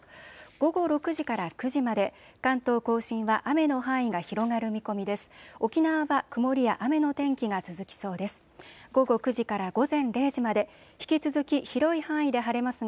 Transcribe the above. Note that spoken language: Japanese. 午後６時から９時まで、関東甲信は雨の範囲が広がる見込みです。